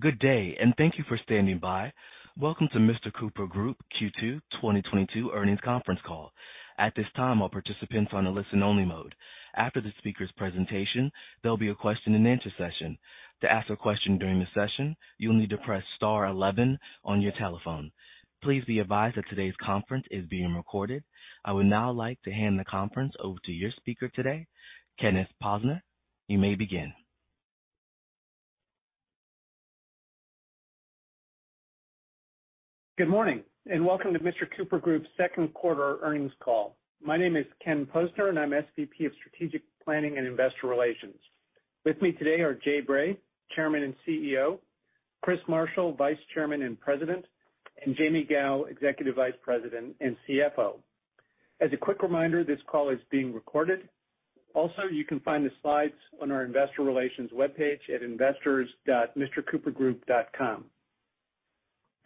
Good day, and thank you for standing by. Welcome to Mr. Cooper Group Q2 2022 Earnings Conference Call. At this time, all participants are on a listen only mode. After the speaker's presentation, there'll be a question and answer session. To ask a question during the session, you'll need to press star 11 on your telephone. Please be advised that today's conference is being recorded. I would now like to hand the conference over to your speaker today, Kenneth Posner. You may begin. Good morning, and welcome to Mr. Cooper Group's second quarter earnings call. My name is Ken Posner, and I'm SVP of Strategic Planning and Investor Relations. With me today are Jay Bray, Chairman and CEO, Chris Marshall, Vice Chairman and President, and Jaime Gow, Executive Vice President and CFO. As a quick reminder, this call is being recorded. Also, you can find the slides on our investor relations webpage at investors.mrcoopergroup.com.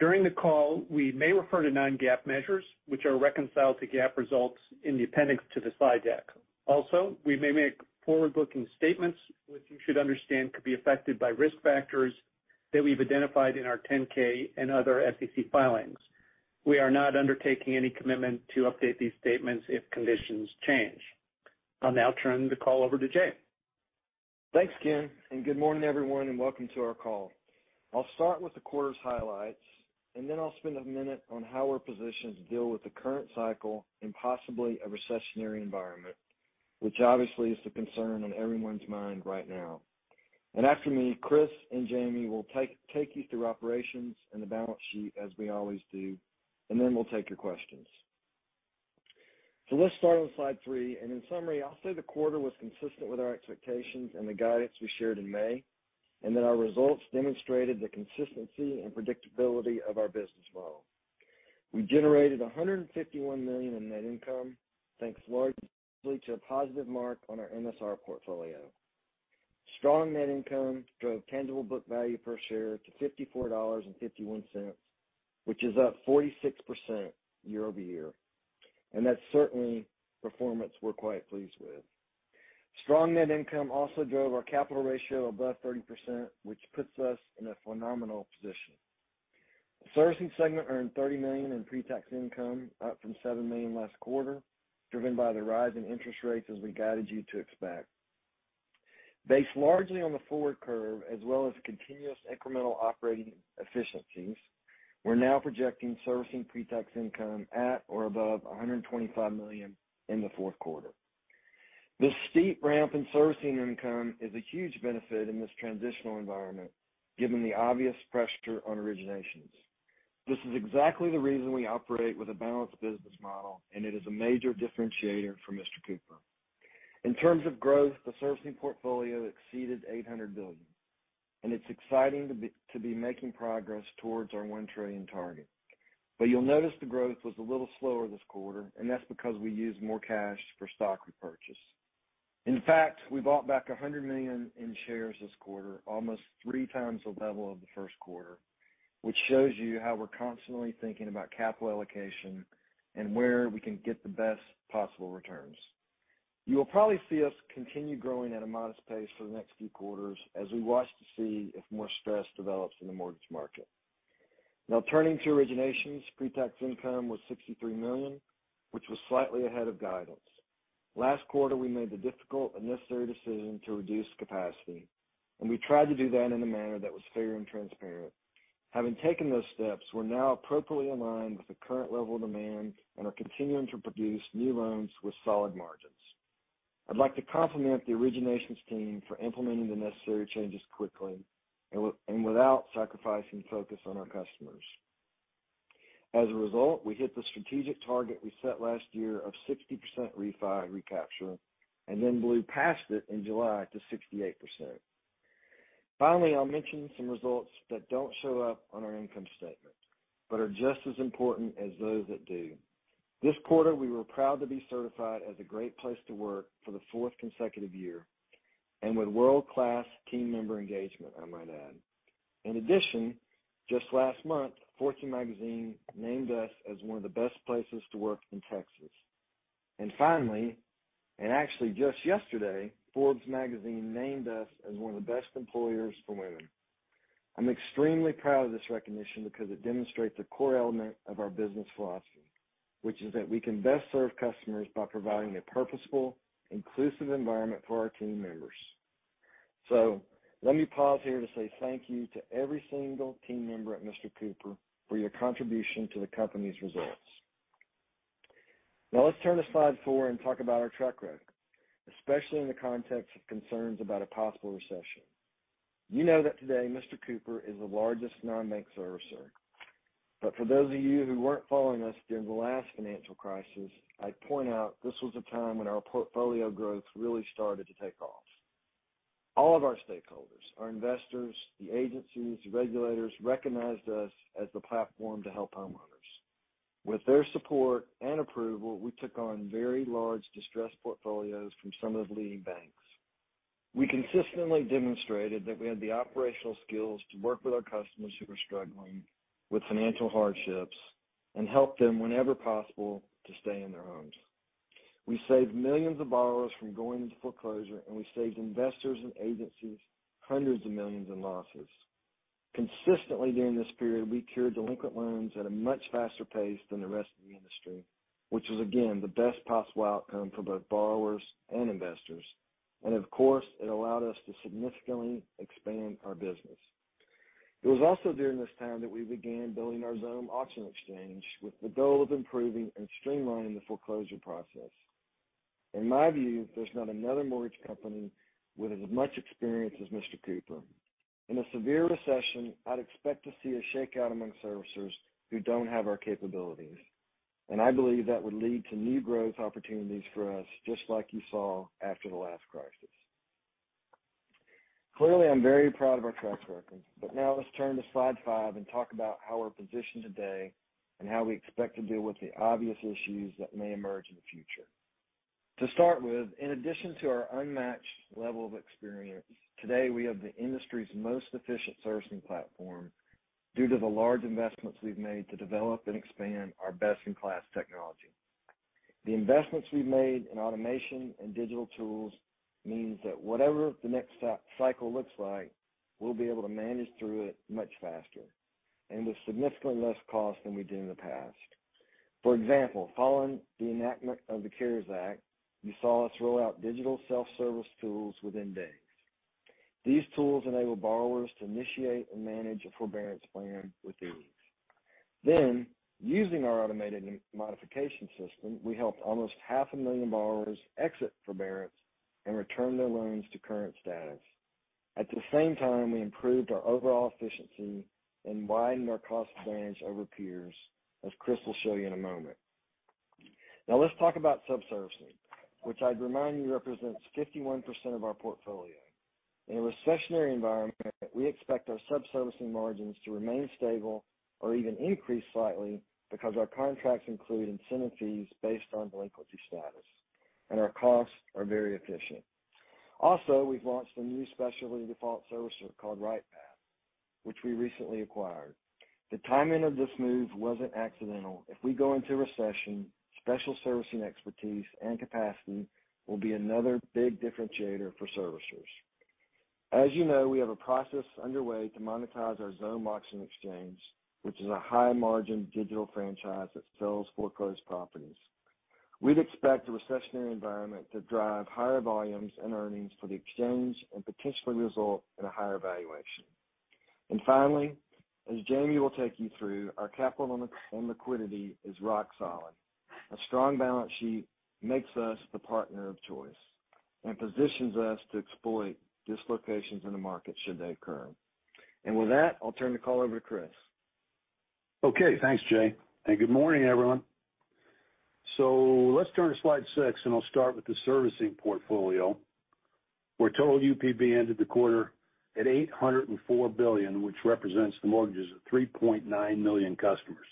During the call, we may refer to non-GAAP measures, which are reconciled to GAAP results in the appendix to the slide deck. Also, we may make forward-looking statements, which you should understand could be affected by risk factors that we've identified in our 10-K and other SEC filings. We are not undertaking any commitment to update these statements if conditions change. I'll now turn the call over to Jay. Thanks, Ken, and good morning, everyone, and welcome to our call. I'll start with the quarter's highlights, and then I'll spend a minute on how we're positioned to deal with the current cycle and possibly a recessionary environment, which obviously is the concern on everyone's mind right now. After me, Chris and Jaime will take you through operations and the balance sheet as we always do, and then we'll take your questions. Let's start on slide three, and in summary, I'll say the quarter was consistent with our expectations and the guidance we shared in May, and that our results demonstrated the consistency and predictability of our business model. We generated $151 million in net income, thanks largely to a positive mark on our MSR portfolio. Strong net income drove tangible book value per share to $54.51, which is up 46% year-over-year. That's certainly performance we're quite pleased with. Strong net income also drove our capital ratio above 30%, which puts us in a phenomenal position. The servicing segment earned $30 million in pre-tax income, up from $7 million last quarter, driven by the rise in interest rates as we guided you to expect. Based largely on the forward curve as well as continuous incremental operating efficiencies, we're now projecting servicing pre-tax income at or above $125 million in the fourth quarter. This steep ramp in servicing income is a huge benefit in this transitional environment, given the obvious pressure on originations. This is exactly the reason we operate with a balanced business model, and it is a major differentiator for Mr. Cooper. In terms of growth, the servicing portfolio exceeded $800 billion, and it's exciting to be making progress towards our $1 trillion target. You'll notice the growth was a little slower this quarter, and that's because we used more cash for stock repurchase. In fact, we bought back $100 million in shares this quarter, almost three times the level of the first quarter, which shows you how we're constantly thinking about capital allocation and where we can get the best possible returns. You'll probably see us continue growing at a modest pace for the next few quarters as we watch to see if more stress develops in the mortgage market. Now, turning to originations, pre-tax income was $63 million, which was slightly ahead of guidance. Last quarter, we made the difficult and necessary decision to reduce capacity, and we tried to do that in a manner that was fair and transparent. Having taken those steps, we're now appropriately aligned with the current level of demand and are continuing to produce new loans with solid margins. I'd like to compliment the originations team for implementing the necessary changes quickly and without sacrificing focus on our customers. As a result, we hit the strategic target we set last year of 60% refi recapture and then blew past it in July to 68%. Finally, I'll mention some results that don't show up on our income statement but are just as important as those that do. This quarter, we were proud to be certified as a great place to work for the fourth consecutive year and with world-class team member engagement, I might add. In addition, just last month, Fortune magazine named us as one of the best places to work in Texas. Finally, and actually just yesterday, Forbes magazine named us as one of the best employers for women. I'm extremely proud of this recognition because it demonstrates a core element of our business philosophy, which is that we can best serve customers by providing a purposeful, inclusive environment for our team members. Let me pause here to say thank you to every single team member at Mr. Cooper for your contribution to the company's results. Now let's turn to slide four and talk about our track record, especially in the context of concerns about a possible recession. You know that today Mr. Cooper is the largest non-bank servicer. For those of you who weren't following us during the last financial crisis, I'd point out this was a time when our portfolio growth really started to take off. All of our stakeholders, our investors, the agencies, the regulators, recognized us as the platform to help homeowners. With their support and approval, we took on very large distressed portfolios from some of the leading banks. We consistently demonstrated that we had the operational skills to work with our customers who were struggling with financial hardships and help them whenever possible to stay in their homes. We saved millions of borrowers from going into foreclosure, and we saved investors and agencies hundreds of millions in losses. Consistently during this period, we cured delinquent loans at a much faster pace than the rest of the industry, which was again, the best possible outcome for both borrowers and investors. Of course, it allowed us to significantly expand our business. It was also during this time that we began building our Xome Auction Exchange with the goal of improving and streamlining the foreclosure process. In my view, there's not another mortgage company with as much experience as Mr. Cooper. In a severe recession, I'd expect to see a shakeout among servicers who don't have our capabilities, and I believe that would lead to new growth opportunities for us, just like you saw after the last crisis. Clearly, I'm very proud of our track record, but now let's turn to slide five and talk about how we're positioned today and how we expect to deal with the obvious issues that may emerge in the future. To start with, in addition to our unmatched level of experience, today, we have the industry's most efficient servicing platform due to the large investments we've made to develop and expand our best-in-class technology. The investments we've made in automation and digital tools means that whatever the next cycle looks like, we'll be able to manage through it much faster and with significantly less cost than we did in the past. For example, following the enactment of the CARES Act, you saw us roll out digital self-service tools within days. These tools enable borrowers to initiate and manage a forbearance plan with ease. Using our automated modification system, we helped almost half a million borrowers exit forbearance and return their loans to current status. At the same time, we improved our overall efficiency and widened our cost advantage over peers, as Chris will show you in a moment. Now let's talk about sub-servicing, which I'd remind you represents 51% of our portfolio. In a recessionary environment, we expect our sub-servicing margins to remain stable or even increase slightly because our contracts include incentive fees based on delinquency status, and our costs are very efficient. Also, we've launched a new specialty default servicer called RightPath, which we recently acquired. The timing of this move wasn't accidental. If we go into recession, special servicing expertise and capacity will be another big differentiator for servicers. As you know, we have a process underway to monetize our Xome Auction Exchange, which is a high-margin digital franchise that sells foreclosed properties. We'd expect a recessionary environment to drive higher volumes and earnings for the exchange and potentially result in a higher valuation. Finally, as Jaime will take you through, our capital and liquidity is rock solid. A strong balance sheet makes us the partner of choice and positions us to exploit dislocations in the market should they occur. With that, I'll turn the call over to Chris. Okay, thanks, Jay, and good morning, everyone. Let's turn to slide six, and I'll start with the servicing portfolio, where total UPB ended the quarter at $804 billion, which represents the mortgages of 3.9 million customers.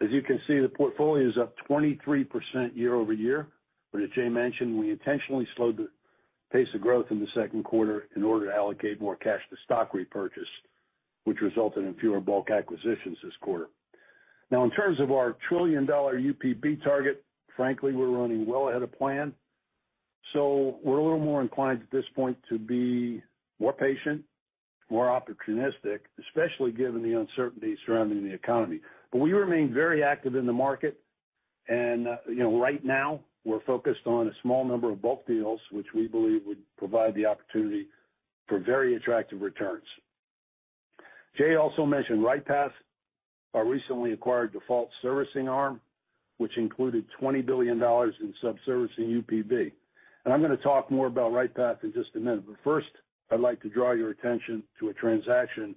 As you can see, the portfolio is up 23% year-over-year, but as Jay mentioned, we intentionally slowed the pace of growth in the second quarter in order to allocate more cash to stock repurchase, which resulted in fewer bulk acquisitions this quarter. Now in terms of our $1 trillion UPB target, frankly, we're running well ahead of plan, so we're a little more inclined at this point to be more patient, more opportunistic, especially given the uncertainty surrounding the economy. We remain very active in the market, and right now, we're focused on a small number of bulk deals, which we believe would provide the opportunity for very attractive returns. Jay also mentioned RightPath, our recently acquired default servicing arm, which included $20 billion in sub-servicing UPB. I'm gonna talk more about RightPath in just a minute. First, I'd like to draw your attention to a transaction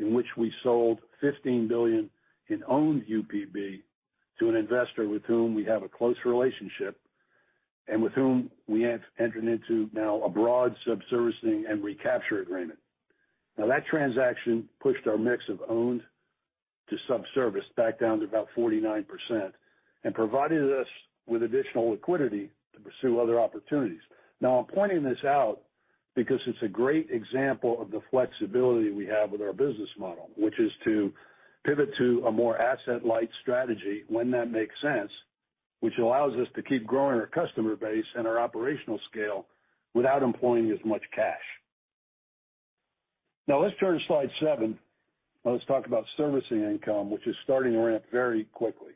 in which we sold $15 billion in owned UPB to an investor with whom we have a close relationship and with whom we have entered into now a broad sub-servicing and recapture agreement. Now, that transaction pushed our mix of owned to sub-service back down to about 49% and provided us with additional liquidity to pursue other opportunities. I'm pointing this out because it's a great example of the flexibility we have with our business model, which is to pivot to a more asset-light strategy when that makes sense, which allows us to keep growing our customer base and our operational scale without employing as much cash. Let's turn to slide seven. Let's talk about servicing income, which is starting to ramp very quickly.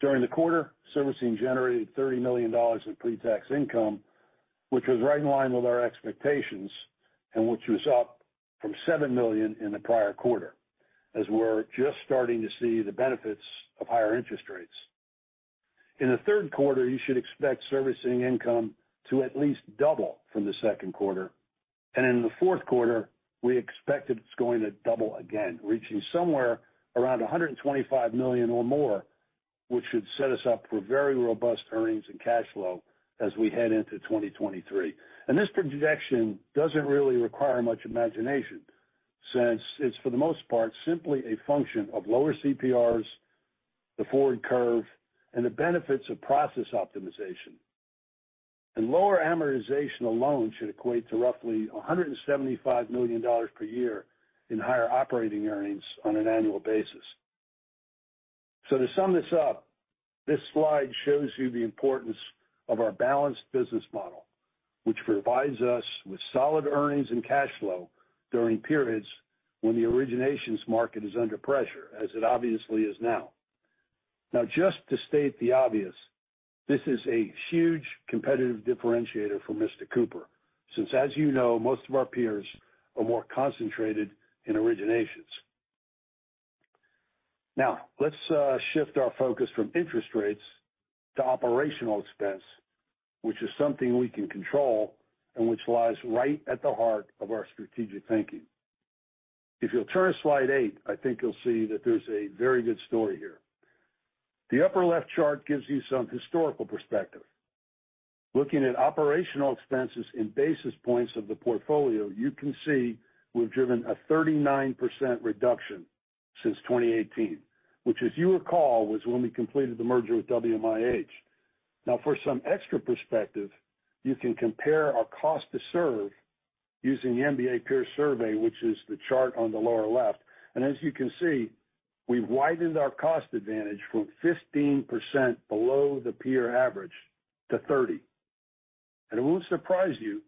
During the quarter, servicing generated $30 million in pre-tax income, which was right in line with our expectations and which was up from $7 million in the prior quarter, as we're just starting to see the benefits of higher interest rates. In the third quarter, you should expect servicing income to at least double from the second quarter. In the fourth quarter, we expect it's going to double again, reaching somewhere around $125 million or more, which should set us up for very robust earnings and cash flow as we head into 2023. This projection doesn't really require much imagination since it's, for the most part, simply a function of lower CPRs, the forward curve, and the benefits of process optimization. Lower amortization alone should equate to roughly $175 million per year in higher operating earnings on an annual basis. To sum this up, this slide shows you the importance of our balanced business model, which provides us with solid earnings and cash flow during periods when the originations market is under pressure, as it obviously is now. Now just to state the obvious, this is a huge competitive differentiator for Mr. Cooper. Since as you know, most of our peers are more concentrated in originations. Now let's shift our focus from interest rates to operational expense, which is something we can control and which lies right at the heart of our strategic thinking. If you'll turn to slide eight, I think you'll see that there's a very good story here. The upper left chart gives you some historical perspective. Looking at operational expenses in basis points of the portfolio, you can see we've driven a 39% reduction since 2018, which as you recall, was when we completed the merger with WMIH. Now for some extra perspective, you can compare our cost to serve using the MBA peer survey, which is the chart on the lower left. As you can see, we've widened our cost advantage from 15% below the peer average to 30%. It won't surprise you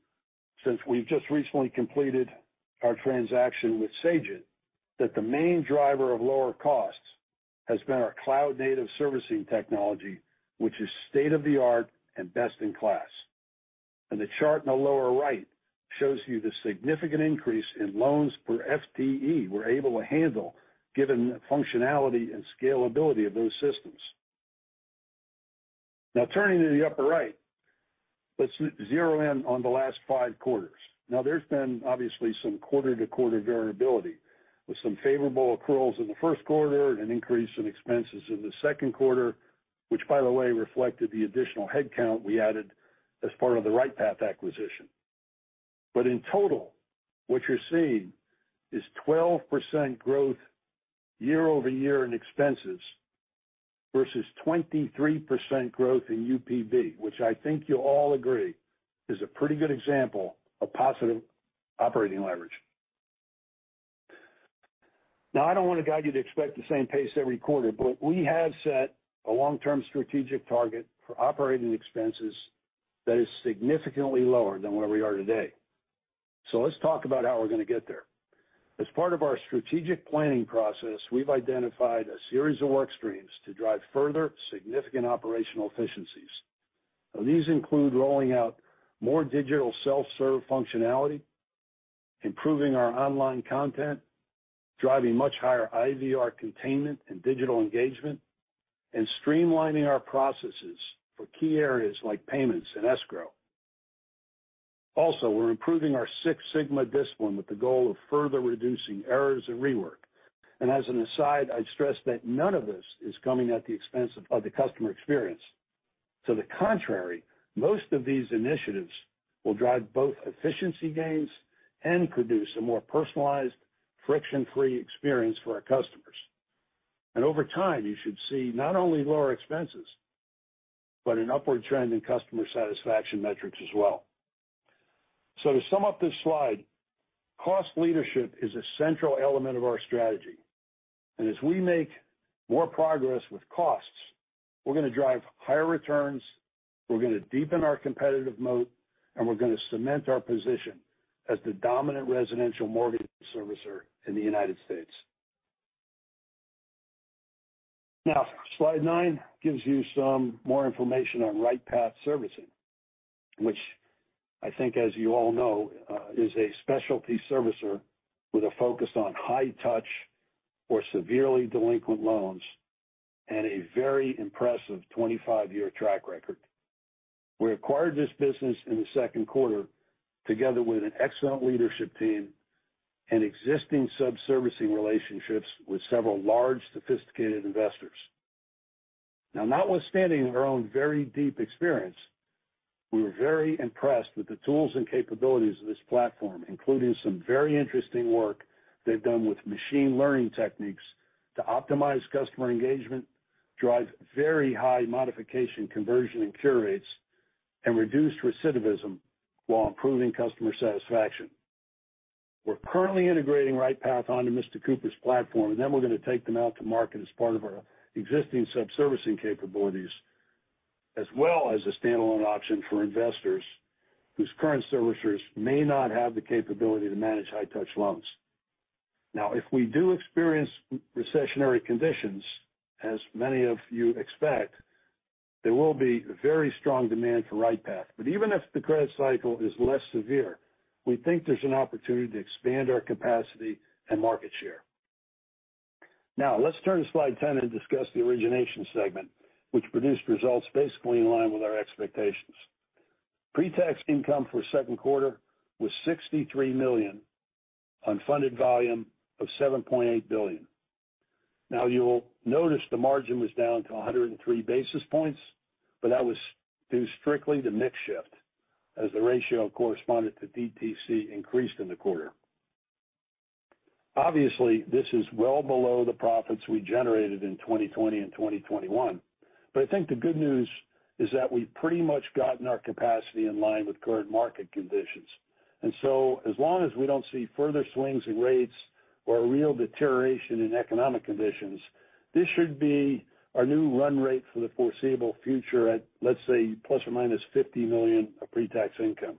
since we've just recently completed our transaction with Sagent, that the main driver of lower costs has been our cloud-native servicing technology, which is state-of-the-art and best in class. The chart in the lower right shows you the significant increase in loans per FTE we're able to handle given the functionality and scalability of those systems. Now turning to the upper right, let's zero in on the last five quarters. Now there's been obviously some quarter-to-quarter variability with some favorable accruals in the first quarter and an increase in expenses in the second quarter, which by the way reflected the additional headcount we added as part of the RightPath acquisition. In total, what you're seeing is 12% growth year-over-year in expenses versus 23% growth in UPB, which I think you'll all agree is a pretty good example of positive operating leverage. Now I don't want to guide you to expect the same pace every quarter, but we have set a long-term strategic target for operating expenses that is significantly lower than where we are today. Let's talk about how we're going to get there. As part of our strategic planning process, we've identified a series of work streams to drive further significant operational efficiencies. Now these include rolling out more digital self-serve functionality, improving our online content, driving much higher IVR containment and digital engagement, and streamlining our processes for key areas like payments and escrow. Also, we're improving our Six Sigma discipline with the goal of further reducing errors and rework. As an aside, I'd stress that none of this is coming at the expense of the customer experience. To the contrary, most of these initiatives will drive both efficiency gains and produce a more personalized, friction-free experience for our customers. Over time, you should see not only lower expenses, but an upward trend in customer satisfaction metrics as well. To sum up this slide, cost leadership is a central element of our strategy. As we make more progress with costs, we're going to drive higher returns, we're going to deepen our competitive moat, and we're going to cement our position as the dominant residential mortgage servicer in the United States. Now, slide nine gives you some more information on RightPath Servicing, which I think as you all know, is a specialty servicer with a focus on high touch or severely delinquent loans and a very impressive 25-year track record. We acquired this business in the second quarter together with an excellent leadership team and existing sub-servicing relationships with several large, sophisticated investors. Now notwithstanding our own very deep experience, we were very impressed with the tools and capabilities of this platform, including some very interesting work they've done with machine learning techniques to optimize customer engagement, drive very high modification conversion and cure rates, and reduce recidivism while improving customer satisfaction. We're currently integrating RightPath onto Mr. Cooper's platform, and then we're going to take them out to market as part of our existing sub-servicing capabilities, as well as a standalone option for investors whose current servicers may not have the capability to manage high-touch loans. Now, if we do experience recessionary conditions, as many of you expect, there will be very strong demand for RightPath. Even if the credit cycle is less severe, we think there's an opportunity to expand our capacity and market share. Now let's turn to slide 10 and discuss the origination segment, which produced results basically in line with our expectations. Pre-tax income for second quarter was $63 million on funded volume of $7.8 billion. Now you will notice the margin was down to 103 basis points, but that was due strictly to mix shift as the ratio of correspondent to DTC increased in the quarter. Obviously, this is well below the profits we generated in 2020 and 2021. I think the good news is that we've pretty much gotten our capacity in line with current market conditions. So as long as we don't see further swings in rates or a real deterioration in economic conditions, this should be our new run rate for the foreseeable future at, let's say, ±$50 million of pre-tax income.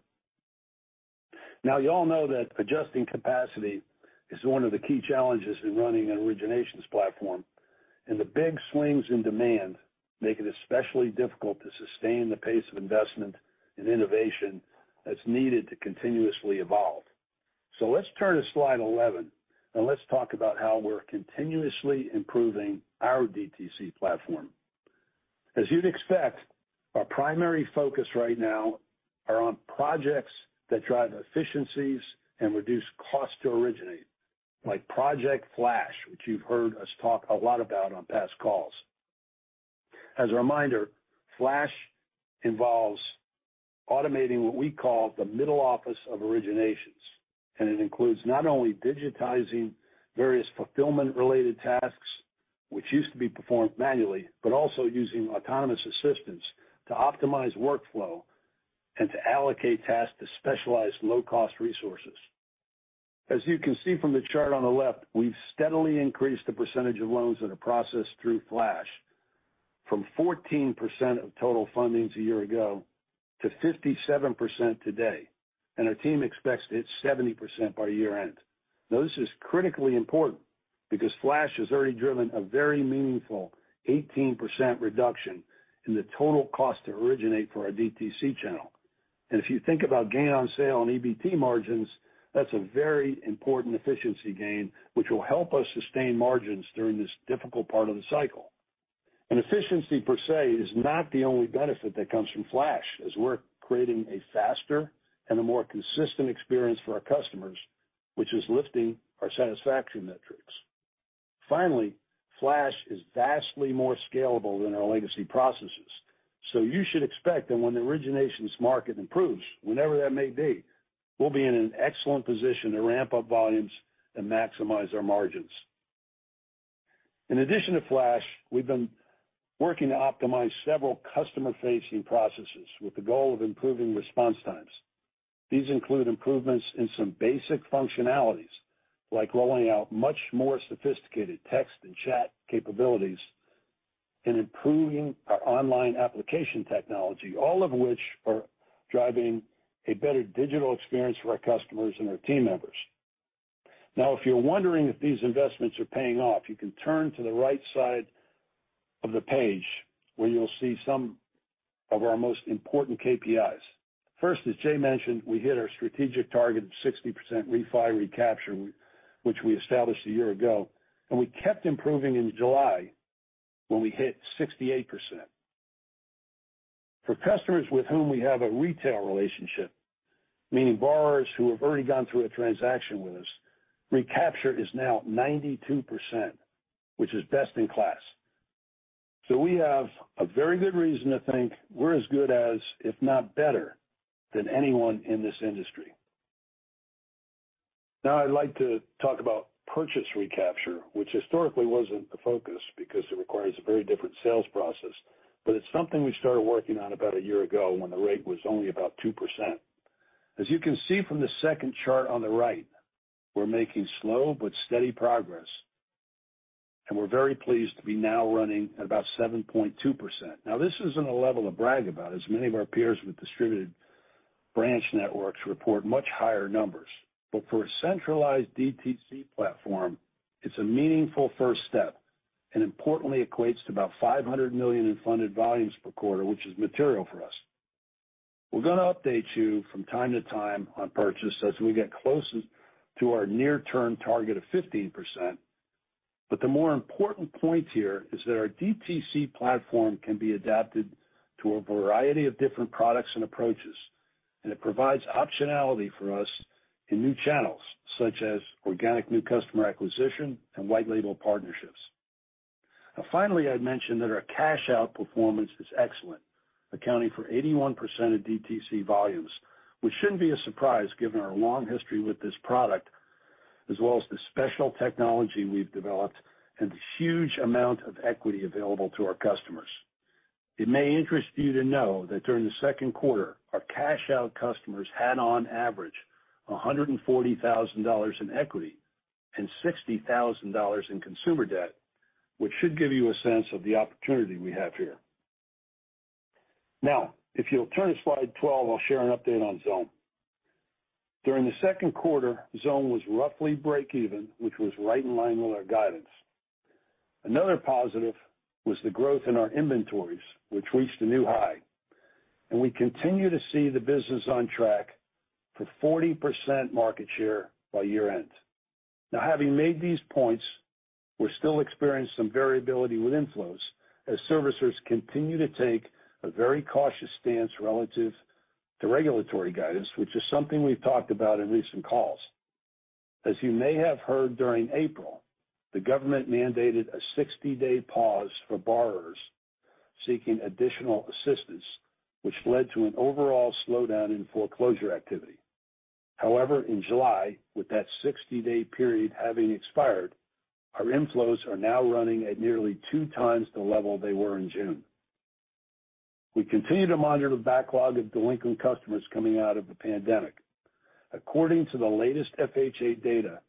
You all know that adjusting capacity is one of the key challenges in running an originations platform, and the big swings in demand make it especially difficult to sustain the pace of investment and innovation that's needed to continuously evolve. Let's turn to slide 11 and let's talk about how we're continuously improving our DTC platform. As you'd expect, our primary focus right now are on projects that drive efficiencies and reduce costs to originate, like Project Flash, which you've heard us talk a lot about on past calls. As a reminder, Flash involves automating what we call the middle office of originations, and it includes not only digitizing various fulfillment-related tasks which used to be performed manually, but also using autonomous assistance to optimize workflow and to allocate tasks to specialized low-cost resources. As you can see from the chart on the left, we've steadily increased the percentage of loans that are processed through Flash from 14% of total fundings a year ago to 57% today, and our team expects to hit 70% by year-end. Now, this is critically important because Flash has already driven a very meaningful 18% reduction in the total cost to originate for our DTC channel. If you think about gain on sale and EBT margins, that's a very important efficiency gain, which will help us sustain margins during this difficult part of the cycle. Efficiency per se is not the only benefit that comes from Flash, as we're creating a faster and a more consistent experience for our customers, which is lifting our satisfaction metrics. Finally, Flash is vastly more scalable than our legacy processes. You should expect that when the originations market improves, whenever that may be, we'll be in an excellent position to ramp up volumes and maximize our margins. In addition to Flash, we've been working to optimize several customer-facing processes with the goal of improving response times. These include improvements in some basic functionalities, like rolling out much more sophisticated text and chat capabilities and improving our online application technology, all of which are driving a better digital experience for our customers and our team members. Now, if you're wondering if these investments are paying off, you can turn to the right side of the page where you'll see some of our most important KPIs. First, as Jay mentioned, we hit our strategic target of 60% refi recapture, which we established a year ago, and we kept improving in July when we hit 68%. For customers with whom we have a retail relationship, meaning borrowers who have already gone through a transaction with us, recapture is now 92%, which is best in class. We have a very good reason to think we're as good as, if not better than anyone in this industry. Now I'd like to talk about purchase recapture, which historically wasn't a focus because it requires a very different sales process. It's something we started working on about a year ago when the rate was only about 2%. As you can see from the second chart on the right, we're making slow but steady progress, and we're very pleased to be now running at about 7.2%. Now, this isn't a level to brag about, as many of our peers with distributed branch networks report much higher numbers. For a centralized DTC platform, it's a meaningful first step, and importantly, equates to about $500 million in funded volumes per quarter, which is material for us. We're gonna update you from time to time on purchase as we get closer to our near-term target of 15%. The more important point here is that our DTC platform can be adapted to a variety of different products and approaches, and it provides optionality for us in new channels such as organic new customer acquisition and white label partnerships. Now finally, I'd mention that our cash out performance is excellent, accounting for 81% of DTC volumes, which shouldn't be a surprise given our long history with this product as well as the special technology we've developed and the huge amount of equity available to our customers. It may interest you to know that during the second quarter, our cash out customers had on average $140,000 in equity and $60,000 in consumer debt, which should give you a sense of the opportunity we have here. Now, if you'll turn to slide 12, I'll share an update on Xome. During the second quarter, Xome was roughly breakeven, which was right in line with our guidance. Another positive was the growth in our inventories, which reached a new high, and we continue to see the business on track for 40% market share by year-end. Now having made these points, we're still experiencing some variability with inflows as servicers continue to take a very cautious stance relative to regulatory guidance, which is something we've talked about in recent calls. As you may have heard, during April, the government mandated a 60-day pause for borrowers seeking additional assistance, which led to an overall slowdown in foreclosure activity. However, in July, with that 60-day period having expired, our inflows are now running at nearly two times the level they were in June. We continue to monitor the backlog of delinquent customers coming out of the pandemic. According to the latest FHA data,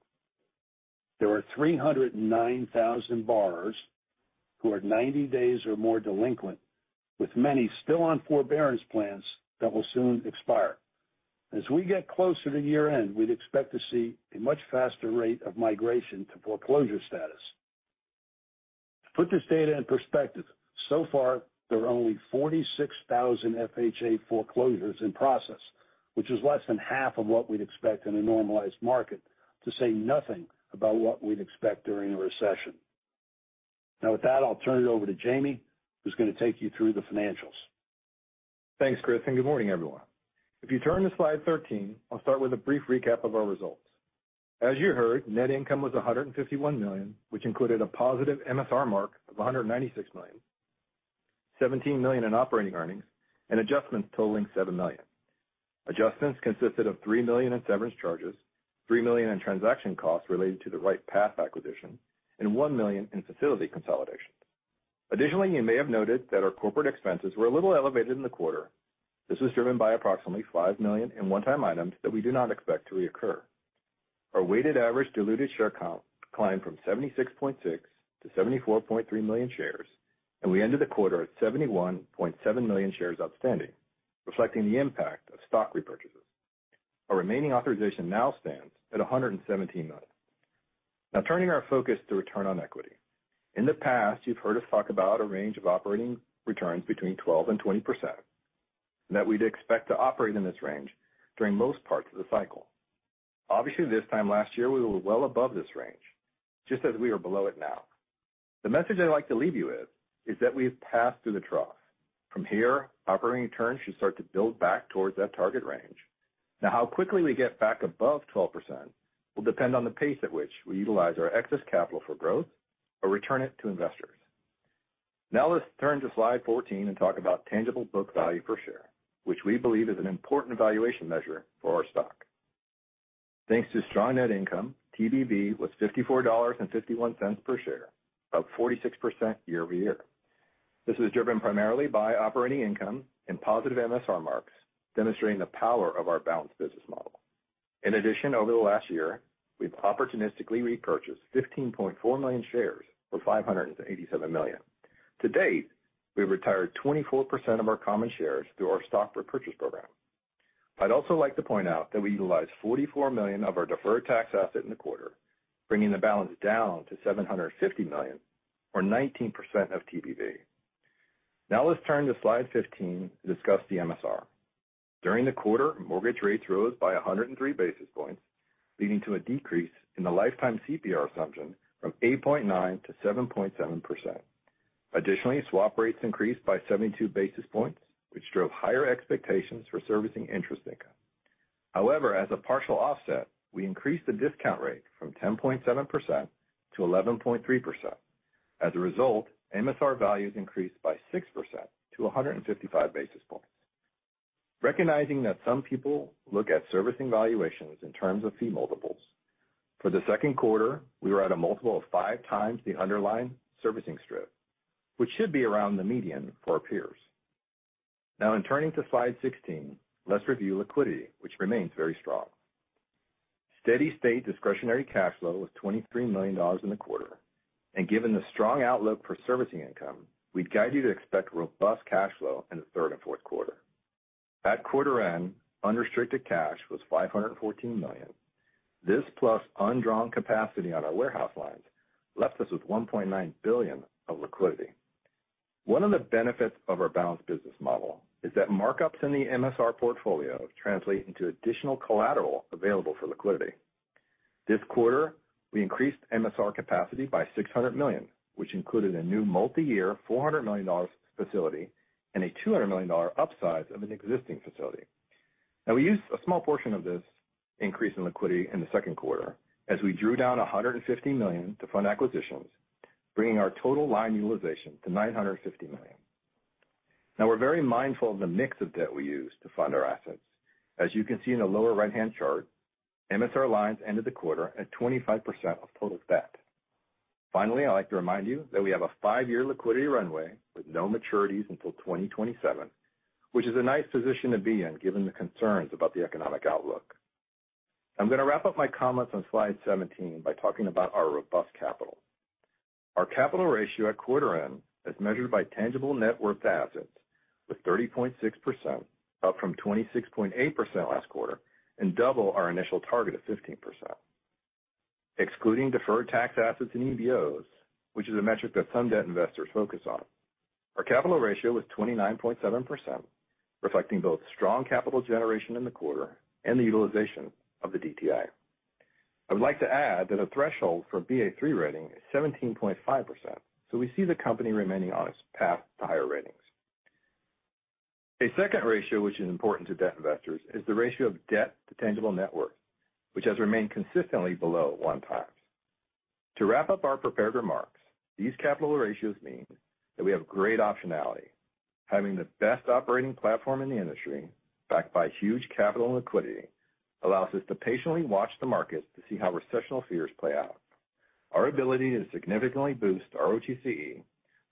there are 309,000 borrowers who are 90 days or more delinquent, with many still on forbearance plans that will soon expire. As we get closer to year-end, we'd expect to see a much faster rate of migration to foreclosure status. To put this data in perspective, so far, there are only 46,000 FHA foreclosures in process, which is less than half of what we'd expect in a normalized market to say nothing about what we'd expect during a recession. Now, with that, I'll turn it over to Jaime, who's gonna take you through the financials. Thanks, Chris, and good morning, everyone. If you turn to slide 13, I'll start with a brief recap of our results. As you heard, net income was $151 million, which included a positive MSR mark of $196 million, $17 million in operating earnings, and adjustments totaling $7 million. Adjustments consisted of $3 million in severance charges, $3 million in transaction costs related to the RightPath acquisition, and $1 million in facility consolidation. Additionally, you may have noted that our corporate expenses were a little elevated in the quarter. This was driven by approximately $5 million in one-time items that we do not expect to reoccur. Our weighted average diluted share count declined from 76.6 million to 74.3 million shares, and we ended the quarter at 71.7 million shares outstanding, reflecting the impact of stock repurchases. Our remaining authorization now stands at $117 million. Now turning our focus to return on equity. In the past, you've heard us talk about a range of operating returns between 12% and 20%, and that we'd expect to operate in this range during most parts of the cycle. Obviously, this time last year, we were well above this range, just as we are below it now. The message I'd like to leave you with is that we've passed through the trough. From here, operating returns should start to build back towards that target range. Now, how quickly we get back above 12% will depend on the pace at which we utilize our excess capital for growth or return it to investors. Now let's turn to slide 14 and talk about tangible book value per share, which we believe is an important valuation measure for our stock. Thanks to strong net income, TBV was $54.51 per share, up 46% year-over-year. This is driven primarily by operating income and positive MSR marks, demonstrating the power of our balanced business model. In addition, over the last year, we've opportunistically repurchased 15.4 million shares for $587 million. To date, we've retired 24% of our common shares through our stock repurchase program. I'd also like to point out that we utilized $44 million of our deferred tax asset in the quarter, bringing the balance down to $750 million or 19% of TBV. Now let's turn to slide 15 to discuss the MSR. During the quarter, mortgage rates rose by 103 basis points, leading to a decrease in the lifetime CPR assumption from 8.9%-7.7%. Additionally, swap rates increased by 72 basis points, which drove higher expectations for servicing interest income. However, as a partial offset, we increased the discount rate from 10.7%-11.3%. As a result, MSR values increased by 6% to 155 basis points. Recognizing that some people look at servicing valuations in terms of fee multiples, for the second quarter, we were at a multiple of 5x the underlying servicing strip, which should be around the median for our peers. Now in turning to slide 16, let's review liquidity, which remains very strong. Steady-state discretionary cash flow was $23 million in the quarter. Given the strong outlook for servicing income, we'd guide you to expect robust cash flow in the third and fourth quarter. At quarter end, unrestricted cash was $514 million. This plus undrawn capacity on our warehouse lines left us with $1.9 billion of liquidity. One of the benefits of our balanced business model is that markups in the MSR portfolio translate into additional collateral available for liquidity. This quarter, we increased MSR capacity by $600 million, which included a new multiyear $400 million facility and a $200 million upsize of an existing facility. Now, we used a small portion of this increase in liquidity in the second quarter as we drew down $150 million to fund acquisitions, bringing our total line utilization to $950 million. Now, we're very mindful of the mix of debt we use to fund our assets. As you can see in the lower right-hand chart, MSR lines ended the quarter at 25% of total debt. Finally, I'd like to remind you that we have a five-year liquidity runway with no maturities until 2027, which is a nice position to be in given the concerns about the economic outlook. I'm gonna wrap up my comments on slide seventeen by talking about our robust capital. Our capital ratio at quarter end as measured by tangible net worth assets was 30.6%, up from 26.8% last quarter, and double our initial target of 15%. Excluding deferred tax assets and EBOs, which is a metric that some debt investors focus on, our capital ratio was 29.7%, reflecting both strong capital generation in the quarter and the utilization of the DTI. I would like to add that a threshold for Baa3 rating is 17.5%. We see the company remaining on its path to higher rating. A second ratio which is important to debt investors is the ratio of debt to tangible net worth, which has remained consistently below 1x. To wrap up our prepared remarks, these capital ratios mean that we have great optionality. Having the best operating platform in the industry, backed by huge capital and liquidity, allows us to patiently watch the market to see how recessional fears play out. Our ability to significantly boost ROTCE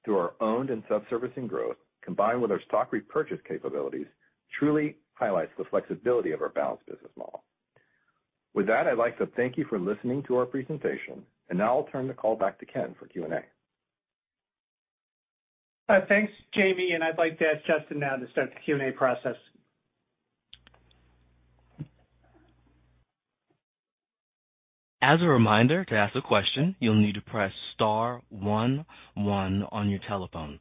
through our owned and sub-servicing growth, combined with our stock repurchase capabilities, truly highlights the flexibility of our balanced business model. With that, I'd like to thank you for listening to our presentation. Now I'll turn the call back to Ken for Q&A. Thanks, Jaime, and I'd like to ask Justin now to start the Q&A process. As a reminder, to ask a question, you'll need to press star one one on your telephone.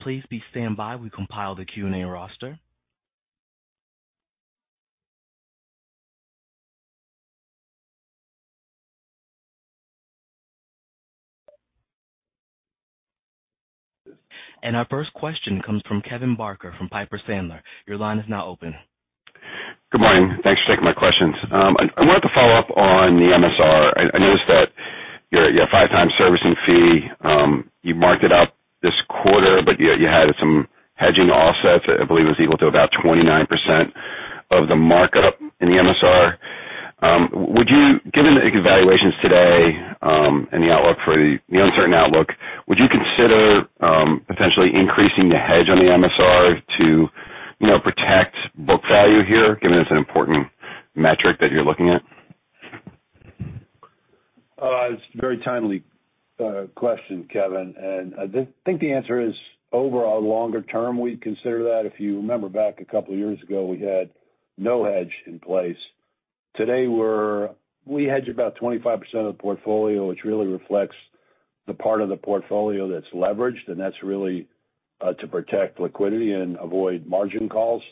Please do stand by while we compile the Q&A roster. Our first question comes from Kevin Barker from Piper Sandler. Your line is now open. Good morning. Thanks for taking my questions. I wanted to follow up on the MSR. I noticed that your 5x servicing fee, you marked it up this quarter, but you had some hedging offsets. I believe it was equal to about 29% of the markup in the MSR. Would you, given the evaluations today, and the uncertain outlook, consider potentially increasing the hedge on the MSR to, you know, protect book value here, given it's an important metric that you're looking at? It's a very timely question, Kevin. I think the answer is overall longer term, we'd consider that. If you remember back a couple years ago, we had no hedge in place. Today, we're we hedge about 25% of the portfolio, which really reflects the part of the portfolio that's leveraged, and that's really to protect liquidity and avoid margin calls.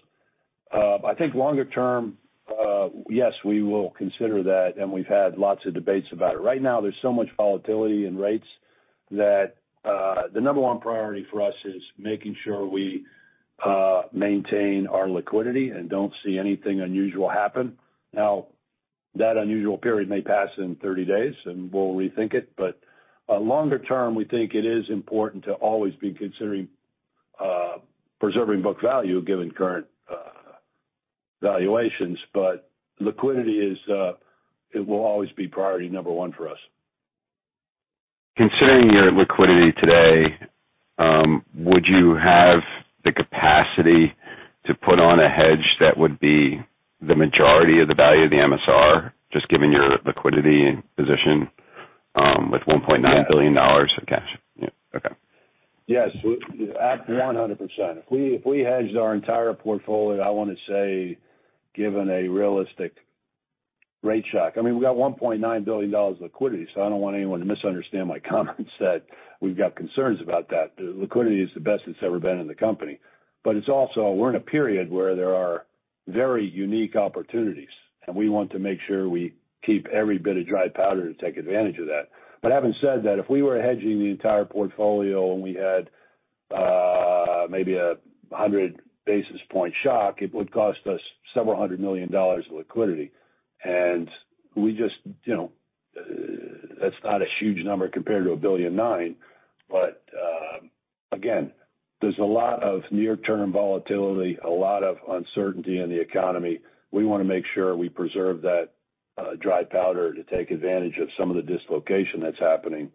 I think longer term, yes, we will consider that, and we've had lots of debates about it. Right now there's so much volatility in rates that the number one priority for us is making sure we maintain our liquidity and don't see anything unusual happen. Now, that unusual period may pass in 30 days and we'll rethink it. Longer term, we think it is important to always be considering preserving book value given current valuations but, liquidity is, it will always be priority number one for us. Considering your liquidity today, would you have the capacity to put on a hedge that would be the majority of the value of the MSR, just given your liquidity and position, with $1.9 billion of cash? Yeah, okay. Yes, at 100%. If we hedged our entire portfolio, I wanna say, given a realistic rate shock, I mean, we've got $1.9 billion of liquidity, so I don't want anyone to misunderstand my comments that we've got concerns about that. The liquidity is the best it's ever been in the company. It's also, we're in a period where there are very unique opportunities, and we want to make sure we keep every bit of dry powder to take advantage of that. Having said that, if we were hedging the entire portfolio and we had maybe a 100-basis-point shock, it would cost us several hundred million dollars of liquidity. We just, you know, that's not a huge number compared to $1.9 billion. Again, there's a lot of near-term volatility, a lot of uncertainty in the economy. We wanna make sure we preserve that dry powder to take advantage of some of the dislocation that's happening.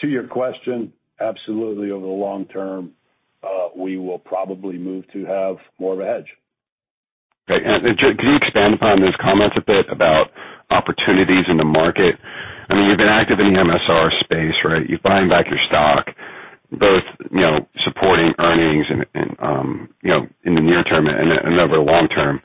To your question, absolutely, over the long term, we will probably move to have more of a hedge. Great. Can you expand upon those comments a bit about opportunities in the market? I mean, you've been active in the MSR space, right? You're buying back your stock, both, you know, supporting earnings and, you know, in the near term and then over the long term.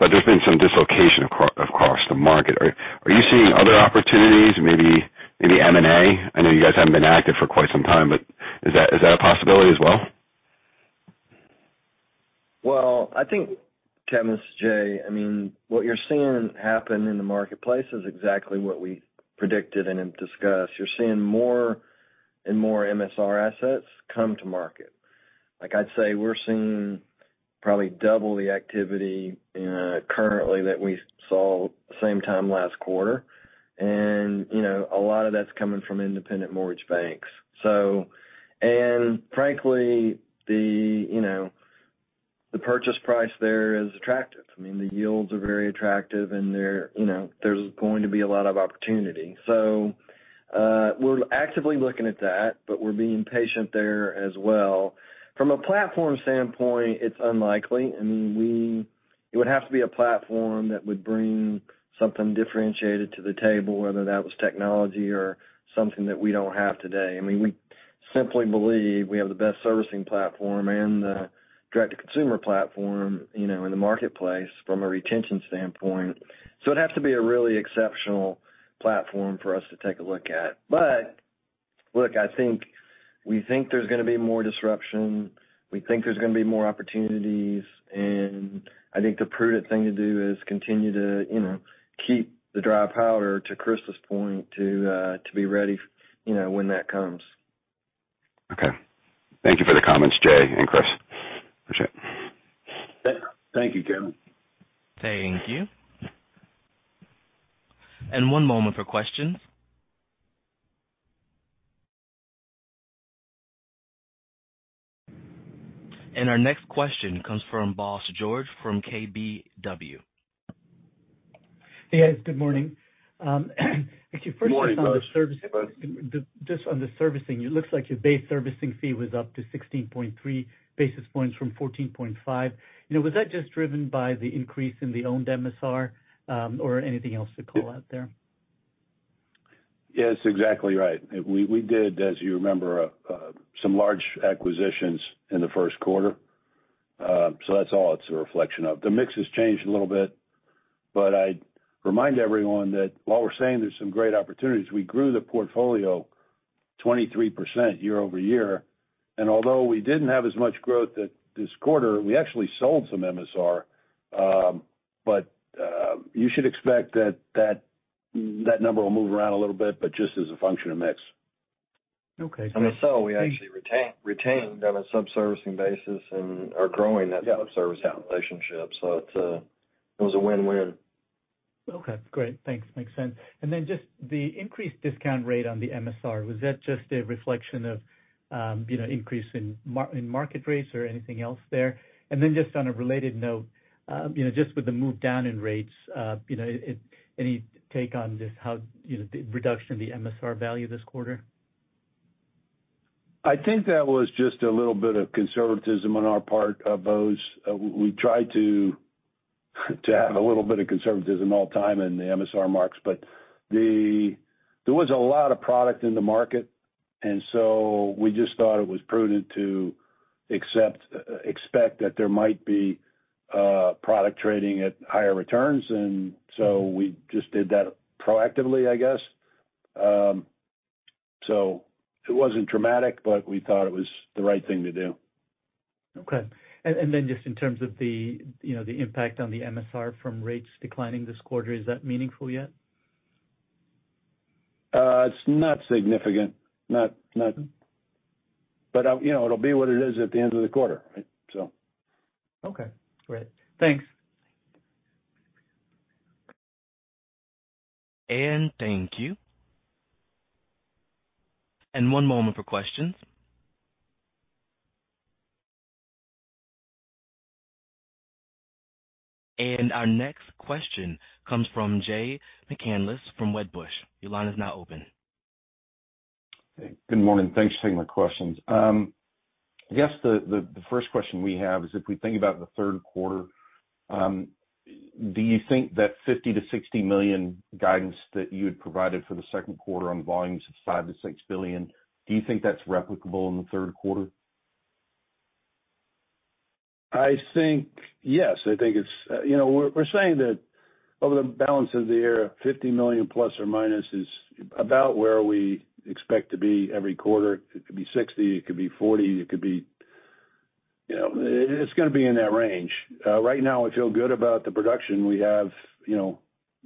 There's been some dislocation across the market. Are you seeing other opportunities, maybe M&A? I know you guys haven't been active for quite some time, but is that a possibility as well? Well, I think, Kevin, this is Jay. I mean, what you're seeing happen in the marketplace is exactly what we predicted and have discussed. You're seeing more and more MSR assets come to market. Like I'd say, we're seeing probably double the activity currently that we saw same time last quarter. You know, a lot of that's coming from independent mortgage banks. Frankly, the, you know, the purchase price there is attractive. I mean, the yields are very attractive, and they're, you know, there's going to be a lot of opportunity. We're actively looking at that, but we're being patient there as well. From a platform standpoint, it's unlikely. I mean, It would have to be a platform that would bring something differentiated to the table, whether that was technology or something that we don't have today. I mean, we simply believe we have the best servicing platform and the direct-to-consumer platform, you know, in the marketplace from a retention standpoint. It'd have to be a really exceptional platform for us to take a look at. Look, I think we think there's gonna be more disruption. We think there's gonna be more opportunities. I think the prudent thing to do is continue to, you know, keep the dry powder, to Chris' point, to be ready, you know, when that comes. Okay. Thank you for the comments, Jay and Chris. Thank you, Kevin. Thank you. One moment for questions. Our next question comes from Bose George from KBW. Hey, guys. Good morning. Good morning, Bose. Just on the servicing, it looks like your base servicing fee was up to 16.3 basis points from 14.5. You know, was that just driven by the increase in the owned MSR, or anything else to call out there? Yes, exactly right. We did, as you remember, some large acquisitions in the first quarter. That's all it's a reflection of. The mix has changed a little bit, but I remind everyone that while we're saying there's some great opportunities, we grew the portfolio 23% year-over-year. Although we didn't have as much growth in this quarter, we actually sold some MSR. You should expect that number will move around a little bit, but just as a function of mix. Okay. We actually retained on a subservicing basis and are growing that subservicing relationship. It was a win-win. Okay, great. Thanks. Makes sense. Just the increased discount rate on the MSR, was that just a reflection of increase in market rates or anything else there? Just on a related note, just with the move down in rates, any take on just how the reduction in the MSR value this quarter? I think that was just a little bit of conservatism on our part of those. We try to have a little bit of conservatism all time in the MSR marks, but there was a lot of product in the market, and we just thought it was prudent to expect that there might be product trading at higher returns. We just did that proactively, I guess. It wasn't dramatic, but we thought it was the right thing to do. Okay. Just in terms of the, you know, the impact on the MSR from rates declining this quarter, is that meaningful yet? It's not significant. Not. You know, it'll be what it is at the end of the quarter, right? So. Okay, great. Thanks. Thank you. One moment for questions. Our next question comes from Jay McCanless from Wedbush. Your line is now open. Good morning. Thanks for taking my questions. I guess the first question we have is if we think about the third quarter, do you think that $50 million-$60 million guidance that you had provided for the second quarter on volumes of $5 billion-$6 billion, do you think that's replicable in the third quarter? I think yes. I think it's, you know, we're saying that over the balance of the year, $50 million± is about where we expect to be every quarter. It could be $60 million, it could be $40 million, it could be, you know, it's gonna be in that range. Right now we feel good about the production we have. You know,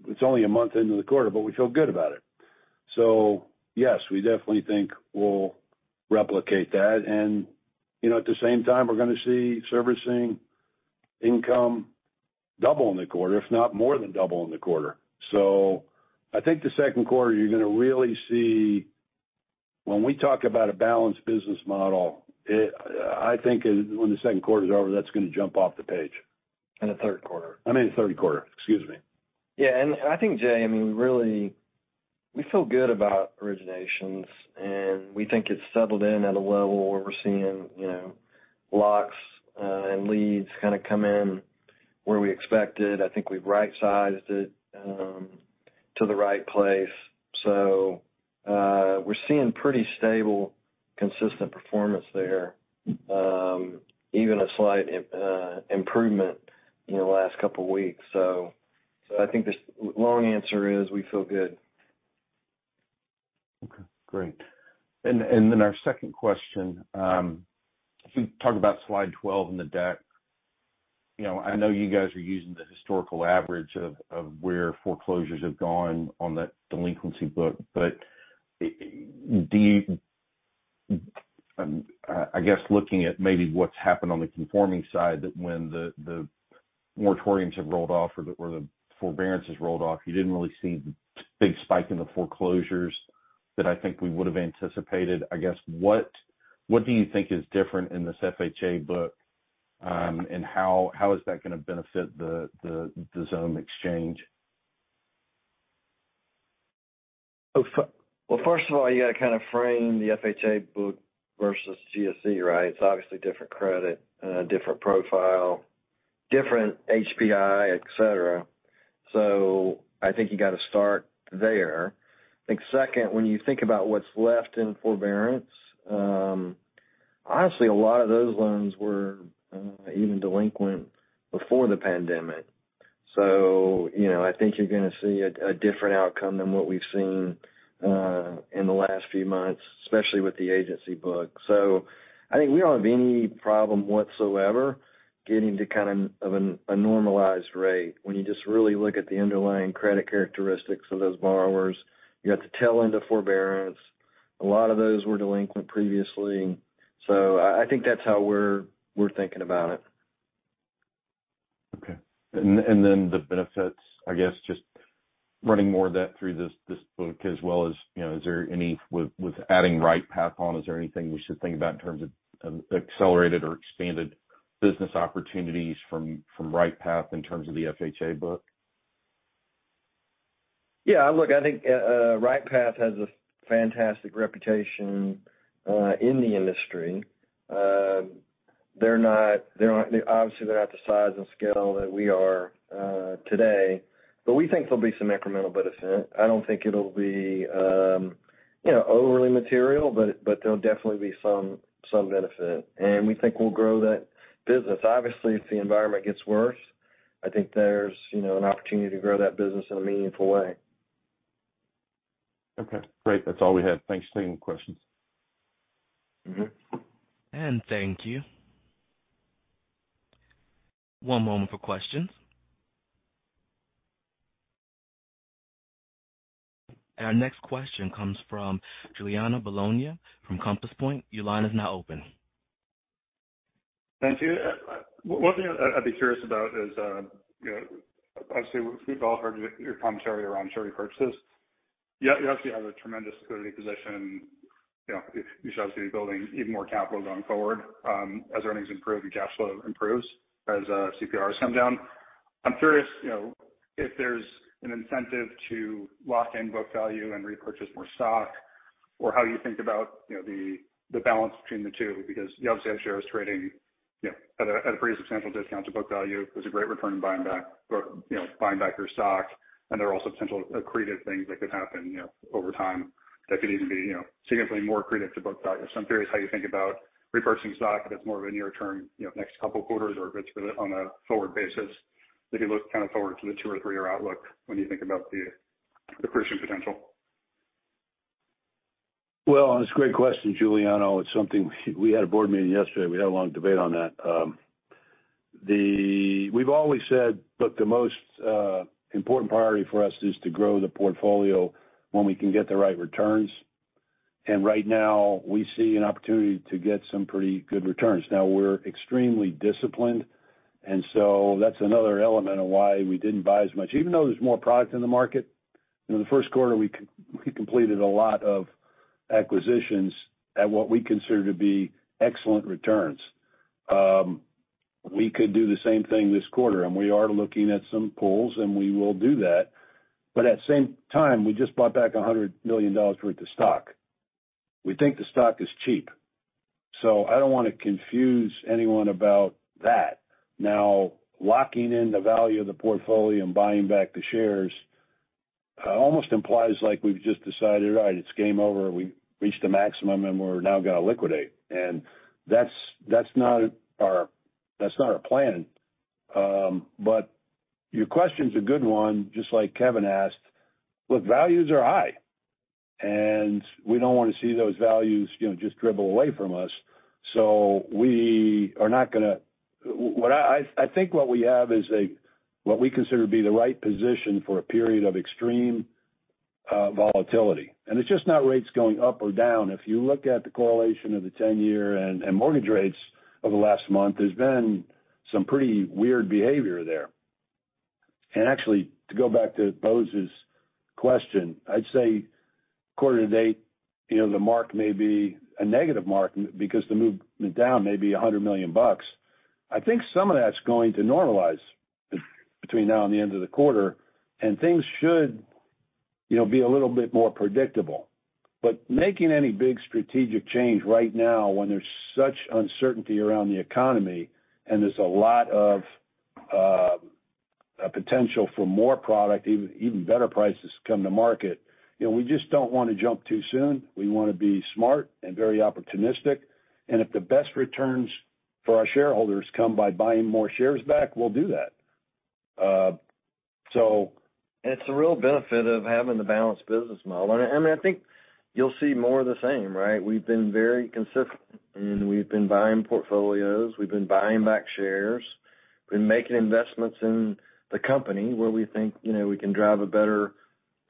it's only a month into the quarter, but we feel good about it. Yes, we definitely think we'll replicate that. You know, at the same time, we're gonna see servicing income double in the quarter, if not more than double in the quarter. I think the second quarter, you're gonna really see when we talk about a balanced business model. I think when the second quarter is over, that's gonna jump off the page. The third quarter. I mean third quarter. Excuse me. Yeah. I think, Jay, I mean, we really, we feel good about originations, and we think it's settled in at a level where we're seeing, you know, locks and leads kind of come in where we expected. I think we've right-sized it to the right place. We're seeing pretty stable, consistent performance there, even a slight improvement in the last couple weeks. I think the long answer is we feel good. Okay, great. Then our second question, if we talk about slide 12 in the deck. You know, I know you guys are using the historical average of where foreclosures have gone on that delinquency book. But I guess looking at maybe what's happened on the conforming side that when the moratoriums have rolled off or the forbearance has rolled off, you didn't really see the big spike in the foreclosures that I think we would have anticipated. I guess what do you think is different in this FHA book, and how is that gonna benefit the Xome exchange? Well, first of all, you got to kind of frame the FHA book versus GSE, right? It's obviously different credit, different profile, different HPI, et cetera. So I think you got to start there. I think second, when you think about what's left in forbearance, honestly, a lot of those loans were even delinquent before the pandemic. So, you know, I think you're gonna see a different outcome than what we've seen in the last few months, especially with the agency book. So I think we don't have any problem whatsoever getting to kind of a normalized rate. When you just really look at the underlying credit characteristics of those borrowers, you got the tail end of forbearance. A lot of those were delinquent previously. So I think that's how we're thinking about it. The benefits, I guess, just running more of that through this book as well as, you know, with adding RightPath on, is there anything we should think about in terms of accelerated or expanded business opportunities from RightPath in terms of the FHA book? Yeah. Look, I think RightPath has a fantastic reputation in the industry. They're not the size and scale that we are today, but we think there'll be some incremental benefit. I don't think it'll be you know, overly material, but there'll definitely be some benefit, and we think we'll grow that business. Obviously, if the environment gets worse, I think there's you know, an opportunity to grow that business in a meaningful way. Okay, great. That's all we had. Thanks for taking the questions. Thank you. One moment for questions. Our next question comes from Giuliano Bologna from Compass Point. Your line is now open. Thank you. One thing I'd be curious about is, you know, obviously we've all heard your commentary around share repurchases. You obviously have a tremendous liquidity position. You know, you should obviously be building even more capital going forward, as earnings improve and cash flow improves as CPRs come down. I'm curious, you know, if there's an incentive to lock in book value and repurchase more stock or how you think about, you know, the balance between the two, because you obviously have shares trading, you know, at a pretty substantial discount to book value. There's a great return buying back your stock. There are also potential accretive things that could happen, you know, over time that could even be, you know, significantly more accretive to book value. I'm curious how you think about repurchasing stock if it's more of a near term, you know, next couple quarters or if it's on a forward basis, if you look kind of forward to the two or three-year outlook when you think about the accretion potential. Well, it's a great question, Giuliano. It's something we had a board meeting yesterday. We had a long debate on that. We've always said, look, the most important priority for us is to grow the portfolio when we can get the right returns. Right now we see an opportunity to get some pretty good returns. Now we're extremely disciplined, and so that's another element of why we didn't buy as much. Even though there's more product in the market, in the first quarter we completed a lot of acquisitions at what we consider to be excellent returns. We could do the same thing this quarter, and we are looking at some pools, and we will do that. At the same time, we just bought back $100 million worth of stock. We think the stock is cheap, so I don't wanna confuse anyone about that. Now, locking in the value of the portfolio and buying back the shares almost implies like we've just decided, all right, it's game over. We've reached the maximum, and we're now gonna liquidate. That's not our plan. But your question's a good one, just like Kevin asked. Look, values are high, and we don't wanna see those values, you know, just dribble away from us. What I think we have is what we consider to be the right position for a period of extreme volatility. It's just not rates going up or down. If you look at the correlation of the 10-year and mortgage rates over the last month, there's been some pretty weird behavior there. Actually, to go back to Bose's question, I'd say quarter to date, you know, the mark may be a negative mark because the move down may be $100 million. I think some of that's going to normalize between now and the end of the quarter, and things should, you know, be a little bit more predictable. Making any big strategic change right now when there's such uncertainty around the economy and there's a lot of potential for more product, even better prices come to market, you know, we just don't wanna jump too soon. We wanna be smart and very opportunistic. If the best returns for our shareholders come by buying more shares back, we'll do that. It's the real benefit of having the balanced business model. I mean, I think you'll see more of the same, right? We've been very consistent, and we've been buying portfolios. We've been buying back shares. We've been making investments in the company where we think, you know, we can drive a better,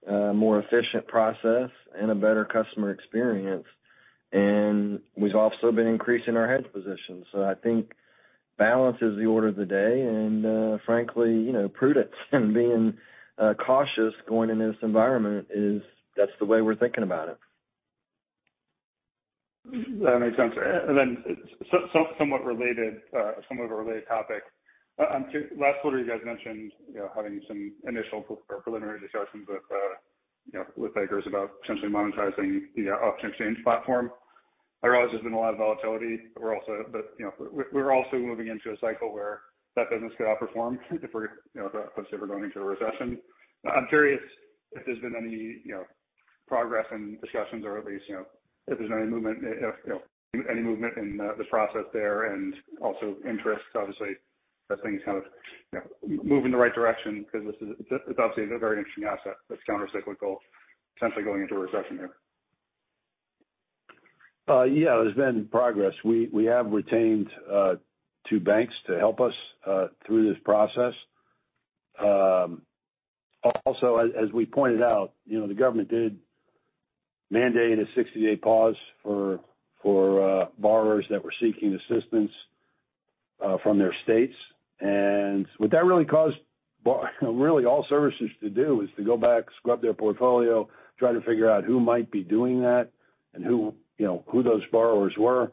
more efficient process and a better customer experience. We've also been increasing our hedge position. I think balance is the order of the day, and, frankly, you know, prudence and being cautious going into this environment is. That's the way we're thinking about it. That makes sense. Somewhat related, somewhat of a related topic. Last quarter, you guys mentioned, you know, having some initial preliminary discussions with, you know, with bankers about potentially monetizing the Xome Auction Exchange. I realize there's been a lot of volatility. But, you know, we're also moving into a cycle where that business could outperform if we're, you know, if, of course, if we're going into a recession. I'm curious if there's been any, you know, progress in discussions or at least, you know, if there's any movement, you know, any movement in the process there and also interest, obviously, are things kind of, you know, moving the right direction because it's obviously a very interesting asset that's countercyclical, potentially going into a recession here. Yeah, there's been progress. We have retained two banks to help us through this process. Also, as we pointed out, you know, the government did mandate a 60-day pause for borrowers that were seeking assistance from their states. What that really caused all servicers to do is to go back, scrub their portfolio, try to figure out who might be doing that and who, you know, who those borrowers were.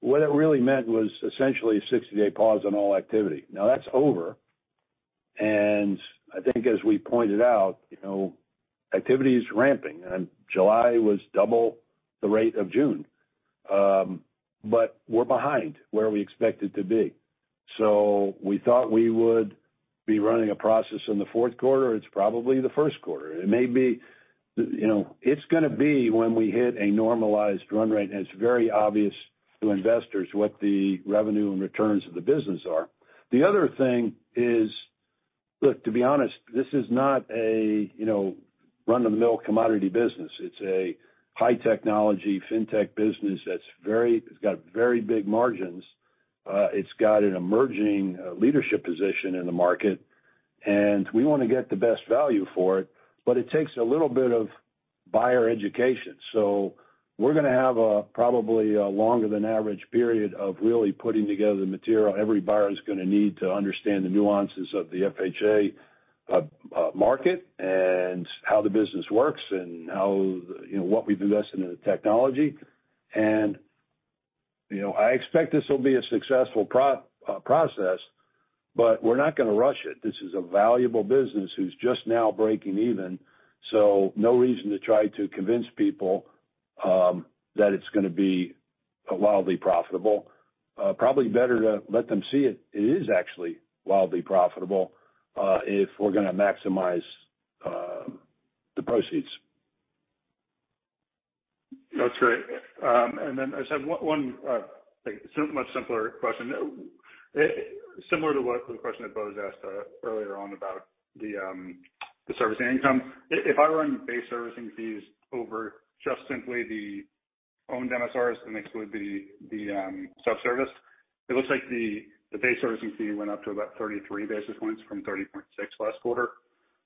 What that really meant was essentially a 60-day pause on all activity. Now that's over. I think as we pointed out, you know, activity is ramping, and July was double the rate of June. But we're behind where we expected to be. We thought we would be running a process in the fourth quarter. It's probably the first quarter. It may be, you know, it's gonna be when we hit a normalized run rate, and it's very obvious to investors what the revenue and returns of the business are. The other thing is. Look, to be honest, this is not a, you know, run-of-the-mill commodity business. It's a high technology, fintech business that's very it's got very big margins. It's got an emerging leadership position in the market, and we wanna get the best value for it, but it takes a little bit of buyer education. We're gonna have a, probably, a longer than average period of really putting together the material every buyer is gonna need to understand the nuances of the FHA market and how the business works and how, you know, what we've invested in the technology. You know, I expect this will be a successful process, but we're not gonna rush it. This is a valuable business who's just now breaking even, so no reason to try to convince people that it's gonna be wildly profitable. Probably better to let them see it. It is actually wildly profitable if we're gonna maximize the proceeds. That's great. And then I just have one, like, much simpler question. Similar to the question that Bose asked earlier on about the service income. If I run base servicing fees over just simply the owned MSRs and exclude the subservice, it looks like the base servicing fee went up to about 33 basis points from 30.6 last quarter.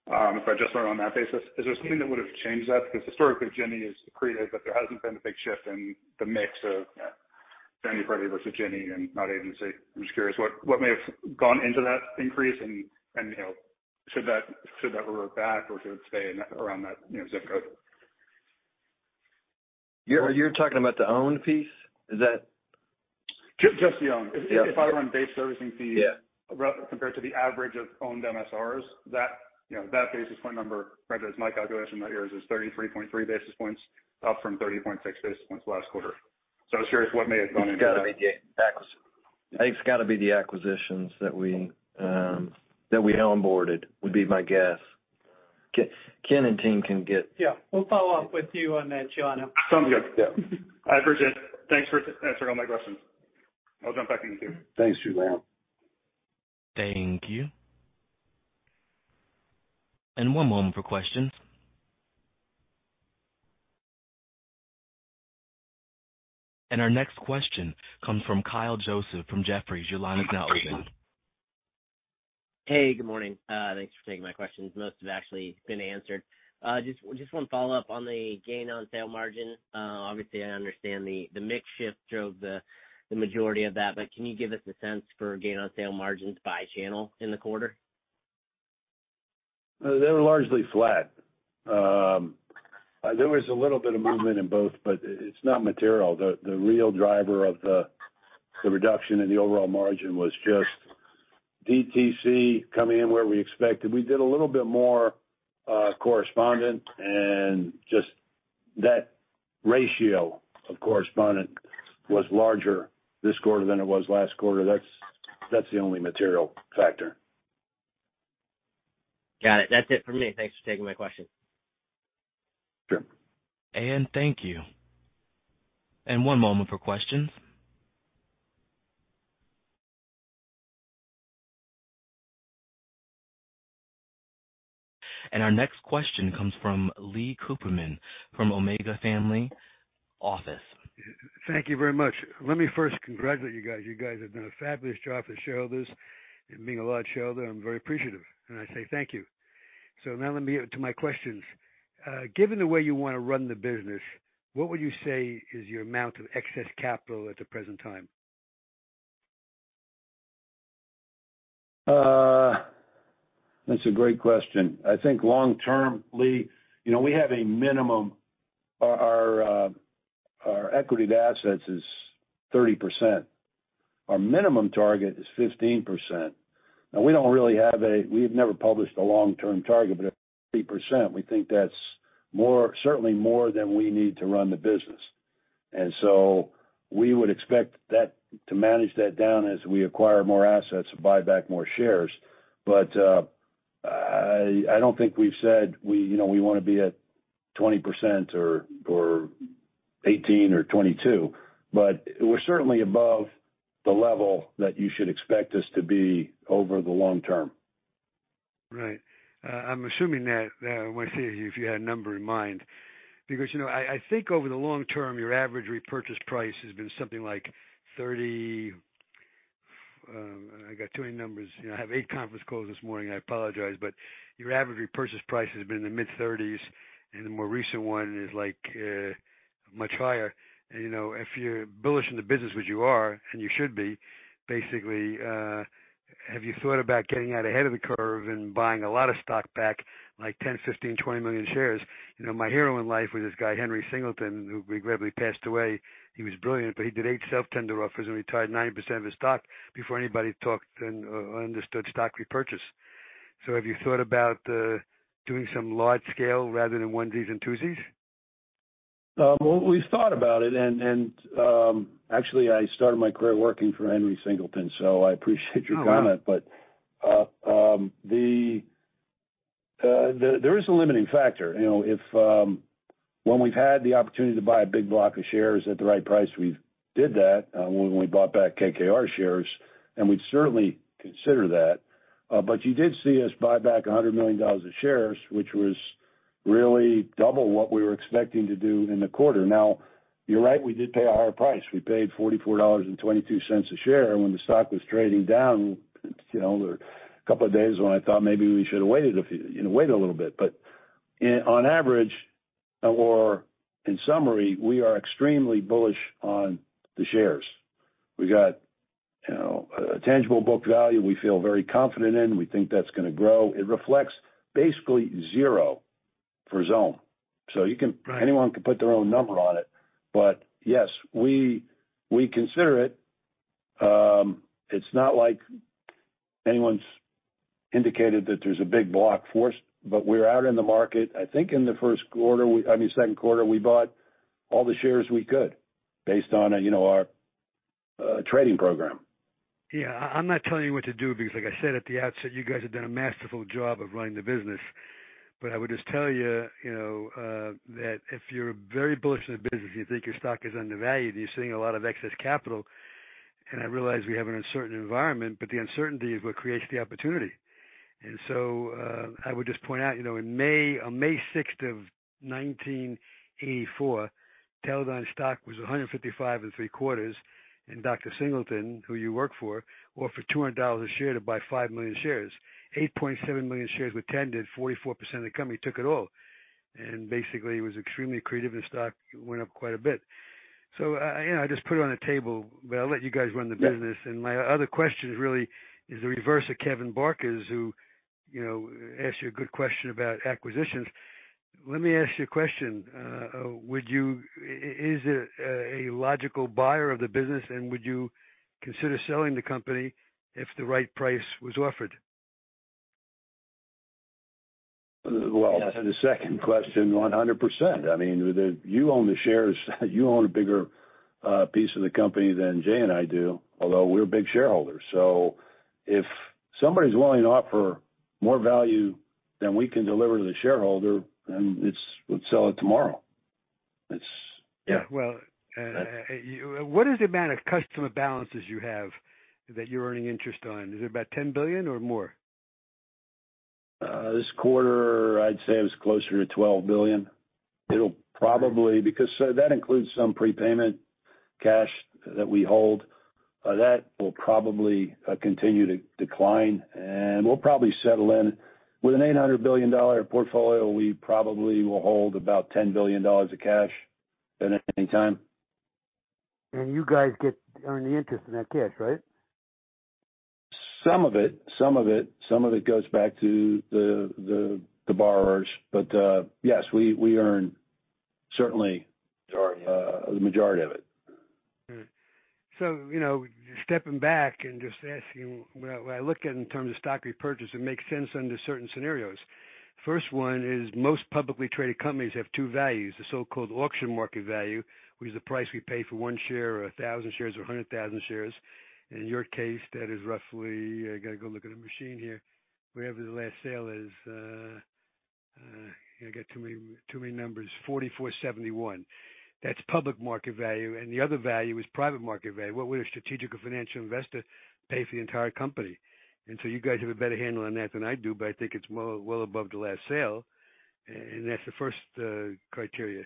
If I just run on that basis, is there something that would've changed that? Because historically, Ginnie is accreted, but there hasn't been a big shift in the mix of third-party versus Ginnie and non-agency. I'm just curious what may have gone into that increase and, you know, should that revert back or should it stay around that, you know, zip code? You're talking about the owned piece? Is that? Just the owned. Yeah. If I run base servicing fees. Yeah. Compared to the average of owned MSRs, that, you know, that basis point number, right, that's my calculation, not yours, is 33.3 basis points up from 30.6 basis points last quarter. I was curious what may have gone into that? It's gotta be the acquisitions. I think it's gotta be the acquisitions that we onboarded, would be my guess. Ken and team can get- Yeah, we'll follow up with you on that, Giuliano. Sounds good. Yeah. I appreciate it. Thanks for answering all my questions. I'll jump back in the queue. Thanks, Giuliano. Thank you. One moment for questions. Our next question comes from Kyle Joseph from Jefferies. Your line is now open. Hey, good morning. Thanks for taking my questions. Most have actually been answered. Just one follow-up on the gain on sale margin. Obviously, I understand the mix shift drove the majority of that, but can you give us a sense for gain on sale margins by channel in the quarter? They were largely flat. There was a little bit of movement in both, but it's not material. The real driver of the reduction in the overall margin was just DTC coming in where we expected. We did a little bit more correspondent, and just that ratio of correspondent was larger this quarter than it was last quarter. That's the only material factor. Got it. That's it from me. Thanks for taking my question. Sure. Thank you. One moment for questions. Our next question comes from Lee Cooperman from Omega Family Office. Thank you very much. Let me first congratulate you guys. You guys have done a fabulous job for shareholders and being a large shareholder, I'm very appreciative, and I say thank you. Now let me get to my questions. Given the way you wanna run the business, what would you say is your amount of excess capital at the present time? That's a great question. I think long-term, Lee, you know, we have a minimum. Our equity to assets is 30%. Our minimum target is 15%. Now, we've never published a long-term target, but at 30%, we think that's more, certainly more than we need to run the business. We would expect that to manage that down as we acquire more assets or buy back more shares. I don't think we've said, you know, we wanna be at 20% or 18% or 22%, but we're certainly above the level that you should expect us to be over the long term. Right. I'm assuming that I want to see if you had a number in mind, because, you know, I think over the long term, your average repurchase price has been something like $30. I got too many numbers. You know, I have eight conference calls this morning, I apologize, but your average repurchase price has been in the mid-$30s and the more recent one is like much higher. You know, if you're bullish in the business, which you are and you should be, basically, have you thought about getting out ahead of the curve and buying a lot of stock back, like 10, 15, 20 million shares? You know, my hero in life was this guy, Henry Singleton, who regrettably passed away. He was brilliant, but he did eight self-tender offers and retired 90% of his stock before anybody talked and understood stock repurchase. Have you thought about doing some large scale rather than onesies and twosies? Well, we've thought about it, and actually, I started my career working for Henry Singleton, so I appreciate your comment. Oh, wow. There is a limiting factor. You know, if, when we've had the opportunity to buy a big block of shares at the right price, we've did that, when we bought back KKR shares, and we'd certainly consider that. You did see us buy back $100 million of shares, which was really double what we were expecting to do in the quarter. Now, you're right, we did pay a higher price. We paid $44.22 a share when the stock was trading down. There were a couple of days when I thought maybe we should have waited a few, you know, wait a little bit. On average, or in summary, we are extremely bullish on the shares. We got, you know, a tangible book value we feel very confident in. We think that's going to grow. It reflects basically zero for Xome. Right. Anyone can put their own number on it. Yes, we consider it. It's not like anyone's indicated that there's a big block for us, but we're out in the market. I think in the first quarter, I mean, second quarter, we bought all the shares we could based on, you know, our trading program. Yeah, I'm not telling you what to do because like I said at the outset, you guys have done a masterful job of running the business. I would just tell you know, that if you're very bullish in the business and you think your stock is undervalued and you're seeing a lot of excess capital, and I realize we have an uncertain environment, but the uncertainty is what creates the opportunity. I would just point out, you know, in May, on May 6th of 1984, Teledyne's stock was 155 3/4, and Dr. Singleton, who you worked for, offered $200 a share to buy 5 million shares. 8.7 million shares were tendered. 44% of the company took it all. Basically, he was extremely creative, and the stock went up quite a bit. You know, I just put it on the table, but I'll let you guys run the business. Yeah. My other question is really the reverse of Kevin Barker's, who, you know, asked you a good question about acquisitions. Let me ask you a question. Is a logical buyer of the business, and would you consider selling the company if the right price was offered? Well, the second question, 100%. I mean, you own the shares. You own a bigger piece of the company than Jay and I do, although we're big shareholders. If somebody's willing to offer more value than we can deliver to the shareholder, then we'd sell it tomorrow. Yeah. Well, what is the amount of customer balances you have that you're earning interest on? Is it about $10 billion or more? This quarter, I'd say it was closer to $12 billion. It'll probably, because that includes some prepayment cash that we hold. That will probably continue to decline, and we'll probably settle in. With an $800 billion portfolio, we probably will hold about $10 billion of cash at any time. You guys get, earn the interest in that cash, right? Some of it goes back to the borrowers. Yes, we earn certainly the majority of it. You know, stepping back and just asking, when I look at in terms of stock repurchase, it makes sense under certain scenarios. First one is most publicly traded companies have two values. The so-called auction market value, which is the price we pay for one share or 1,000 shares or 100,000 shares. In your case, that is roughly. I got to go look at a machine here. Wherever the last sale is, I got too many numbers. $44.71. That's public market value. The other value is private market value. What would a strategic or financial investor pay for the entire company? You guys have a better handle on that than I do, but I think it's more, well above the last sale. That's the first criteria.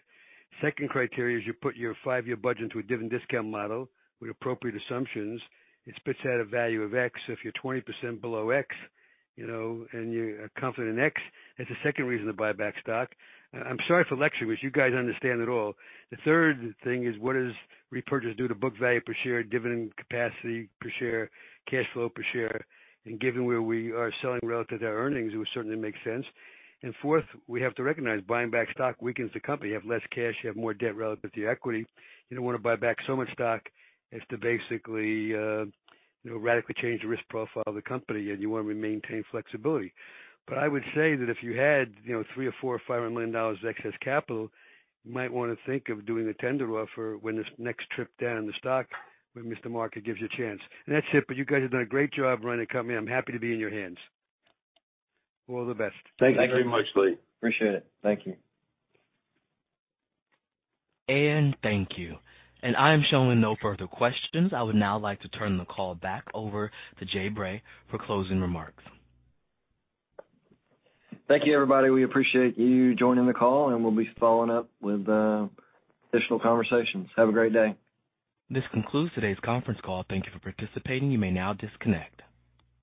Second criteria is you put your five-year budget into a given discount model with appropriate assumptions. It spits out a value of X. If you're 20% below X, you know, and you're confident in X, that's the second reason to buy back stock. I'm sorry for lecturing, which you guys understand it all. The third thing is what does repurchase do to book value per share, dividend capacity per share, cash flow per share? Given where we are selling relative to earnings, it would certainly make sense. Fourth, we have to recognize buying back stock weakens the company. You have less cash, you have more debt relative to your equity. You don't want to buy back so much stock as to basically, you know, radically change the risk profile of the company and you want to maintain flexibility. I would say that if you had, you know, $300 or $400 or $500 million of excess capital, you might want to think of doing a tender offer when this next trip down the stock, when Mr. Market gives you a chance. That's it. You guys have done a great job running the company. I'm happy to be in your hands. All the best. Thank you very much, Lee. Appreciate it. Thank you. Thank you. I am showing no further questions. I would now like to turn the call back over to Jay Bray for closing remarks. Thank you, everybody. We appreciate you joining the call, and we'll be following up with additional conversations. Have a great day. This concludes today's conference call. Thank you for participating. You may now disconnect.